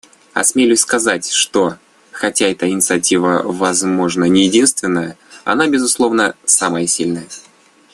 Осмелюсь сказать, что, хотя эта инициатива, возможно, не единственная, она, безусловно, самая сильная.